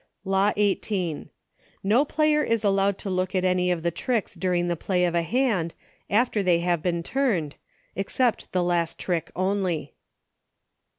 Law XVIII. No player is allowed to look at any of the tricks during the play of a hand, after they have been turned, except the last trick only.